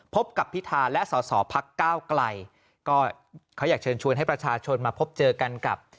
พบกับพิธาและสอสอพักก้าวไกลก็เขาอยากเชิญชวนให้ประชาชนมาพบเจอกันกับ